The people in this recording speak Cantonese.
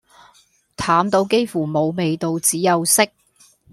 淡到幾乎無味道只有色